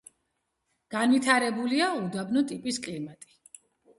განვითარებულია უდაბნო ტიპის კლიმატი.